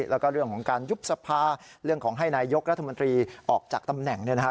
แล้วก็เรื่องของการยุบสภาเรื่องของให้นายยกรัฐมนตรีออกจากตำแหน่งเนี่ยนะฮะ